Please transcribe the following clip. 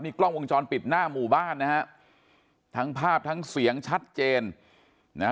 กล้องวงจรปิดหน้าหมู่บ้านนะฮะทั้งภาพทั้งเสียงชัดเจนนะฮะ